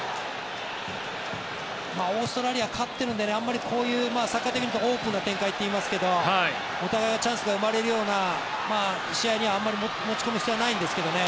オーストラリアは勝っているのでサッカー的にはオープンな展開といいますがお互いにチャンスが生まれるような試合にはあまり持ち込む必要はないんですけどね。